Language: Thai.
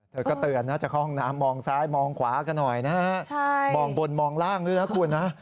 เธอก็เตือนนะจะเข้าห้องน้ำมองซ้ายมองขวากันหน่อยนะฮะมองบนมองล่างด้วยนะคุณนะ